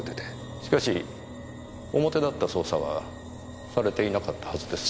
しかし表立った捜査はされていなかったはずですね。